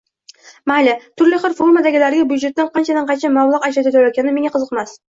Mayli turli xil formadagilarga byudjetdan qanchadan-qancha mablag‘ ajratilayotgani menga qiziqmas.